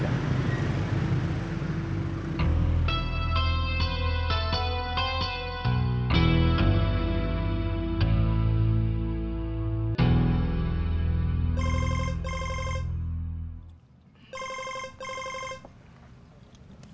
walaupun di depan yang ada